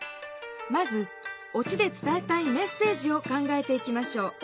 まず「落ち」で伝えたいメッセージを考えていきましょう。